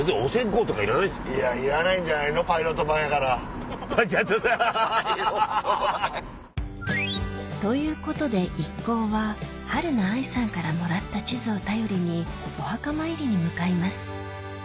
パイロット版。ということで一行ははるな愛さんからもらった地図を頼りにお墓参りに向かいます